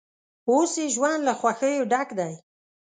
اوس یې ژوند له خوښیو ډک دی.